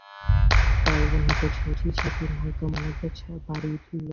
তালবন হইতে শশী সেদিন হালকা মনে বাড়ি ফিরিল।